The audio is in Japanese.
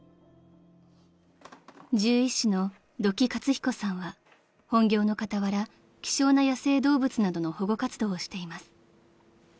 ［獣医師の土城勝彦さんは本業の傍ら希少な野生動物などの保護活動をしています］